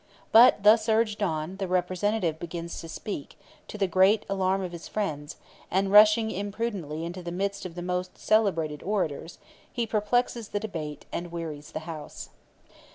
But thus urged on, the Representative begins to speak, to the great alarm of his friends; and rushing imprudently into the midst of the most celebrated orators, he perplexes the debate and wearies the House.